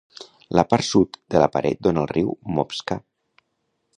La part sud de la paret dóna al riu Moskvà.